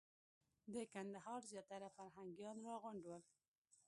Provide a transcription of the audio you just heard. د کندهار زیاتره فرهنګیان راغونډ ول.